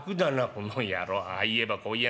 「この野郎ああ言えばこう言いやがって。